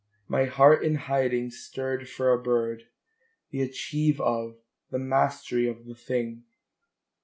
My heart in hiding Stirred for a bird, the achieve of, the mastery of the thing!